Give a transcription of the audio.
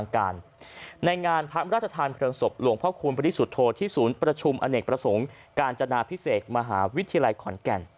กลับมาหวยก็ออก๒๙